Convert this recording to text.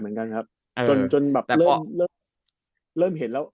ผมก็คิดตอนแรกเหมือนกันครับ